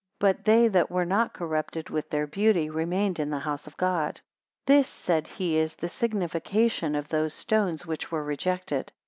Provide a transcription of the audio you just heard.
But they that were not corrupted with their beauty, remained in the house of God. This, said he, is the signification of those stones which were rejected.